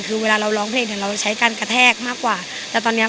คือเวลาเราร้องเพลงเนี่ยเราใช้การกระแทกมากกว่าแต่ตอนเนี้ย